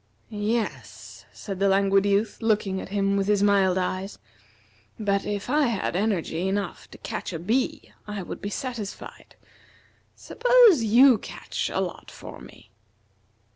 "Yes," said the Languid Youth, looking at him with his mild eyes, "but if I had energy enough to catch a bee I would be satisfied. Suppose you catch a lot for me."